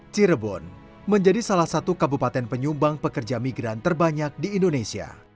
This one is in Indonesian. cirebon menjadi salah satu kabupaten penyumbang pekerja migran terbanyak di indonesia